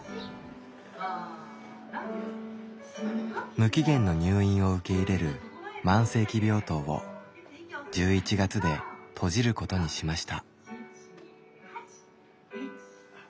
無期限の入院を受け入れる慢性期病棟を１１月で閉じることにしました。